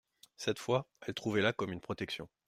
Cette fois, elle trouvait là comme une protection.